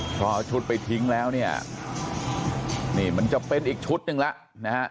พอเอาชุดไปทิ้งแล้วเนี่ยนี่มันจะเป็นอีกชุดหนึ่งแล้วนะฮะ